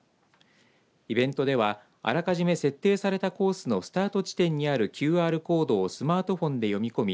イベントではあらかじめ設定されたコースのスタート地点にあるＱＲコードをスマートフォンで読み込み